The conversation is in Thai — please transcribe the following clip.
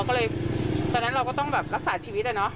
ตอนนั้นเราก็ต้องรักษาชีวิตอ่ะ